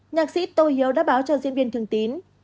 nhạc sĩ tô hiếu đã báo cho diễn viên thường tín